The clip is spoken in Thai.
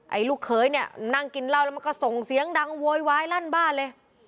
ไอ้ลูกเขยเนี่ยนั่งกินเหล้าแล้วมันก็ส่งเสียงดังโวยวายลั่นบ้านเลย